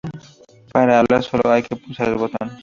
Para hablar solo hay que pulsar el botón.